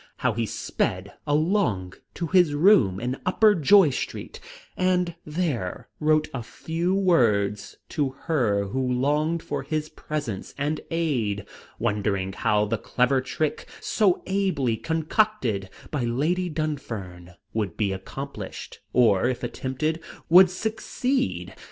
how he sped along to his room in Upper Joy Street, and there wrote a few words to her who longed for his presence and aid, wondering how the clever trick, so ably concocted by Lady Dunfern, would be accomplished, or if attempted, would succeed!